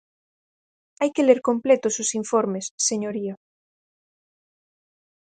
Hai que ler completos os informes, señoría.